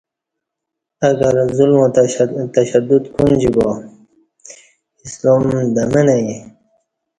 اگر ظلم وتشدد کونجی با اسلام دمہ نئی